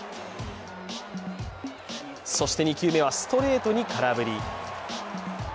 そして２球目はストレートに空振り。